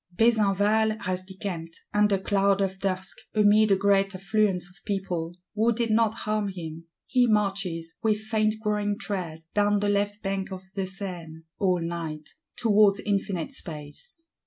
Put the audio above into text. Besenval has decamped, under cloud of dusk, "amid a great affluence of people," who did not harm him; he marches, with faint growing tread, down the left bank of the Seine, all night,—towards infinite space.